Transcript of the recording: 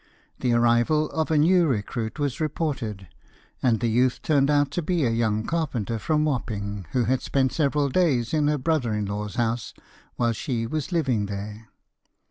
The arrival of a new recruit was reported, and the youth turned out to be a young carpenter from Wapping, who had spent several days in her brother in law's house while she was living there.